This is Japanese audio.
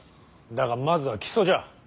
だがまずは木曽じゃ。